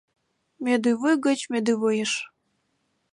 Мӧдывуй гыч мӧдывуйыш